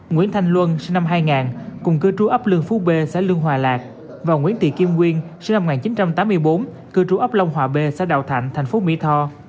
nguyễn thanh luân sinh năm hai nghìn cùng cư trú ấp lương phú b xã lương hòa lạc và nguyễn thị kim nguyên sinh năm một nghìn chín trăm tám mươi bốn cư trú ấp long hòa b xã đào thạnh thành phố mỹ tho